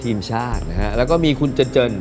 ทีมชาติและมีคุณเจิญ